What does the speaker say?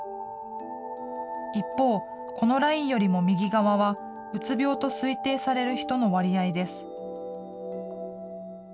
一方、このラインよりも右側は、うつ病と推定される人の割合です。